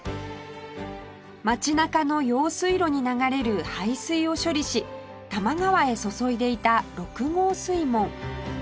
町中の用水路に流れる排水を処理し多摩川へ注いでいた六郷水門